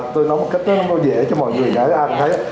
tôi nói một cách rất là dễ cho mọi người